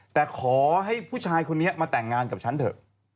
แต่ขอให้ผู้ชายคนนี้มาแต่งงานกับฉันเถอะ